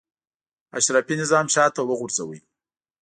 اشرافي نظام شاته وغورځاوه.